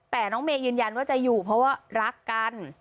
แต่น้องเมย์ยืนยันว่าจะอยู่เพราะว่ารักกัน